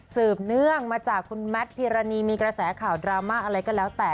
เนื่องมาจากคุณแมทพิรณีมีกระแสข่าวดราม่าอะไรก็แล้วแต่